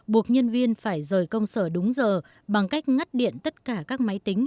buộc nhân viên phải rời công sở đúng giờ bằng cách ngắt điện tất cả các máy tính